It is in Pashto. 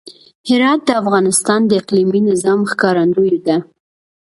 هرات د افغانستان د اقلیمي نظام ښکارندوی ده.